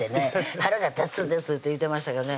「腹が立つんです」って言うてましたけどね